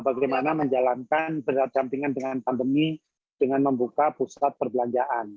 bagaimana menjalankan berdampingan dengan pandemi dengan membuka pusat perbelanjaan